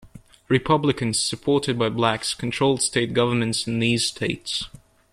Republicans supported by blacks controlled state governments in these states.